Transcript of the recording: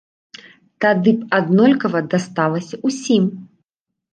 Тады б аднолькава дасталася ўсім.